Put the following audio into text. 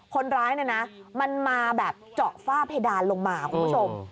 คนร้ายมันมาหย่อฟ้าเพดานลงมาคุณผู้ชม